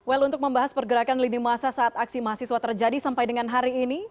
well untuk membahas pergerakan lini masa saat aksi mahasiswa terjadi sampai dengan hari ini